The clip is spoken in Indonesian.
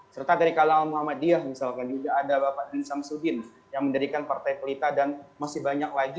serta dari kalangal muhammad diyah misalkan juga ada bapak bin samsudin yang mendirikan partai pelita dan masih banyak lagi